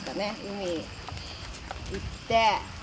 海行って。